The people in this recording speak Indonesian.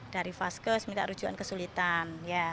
dari faskes minta rujuan kesulitan